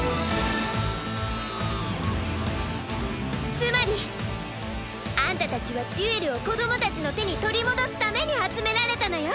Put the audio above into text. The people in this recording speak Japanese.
つまりアンタたちはデュエルを子どもたちの手に取り戻すために集められたのよ。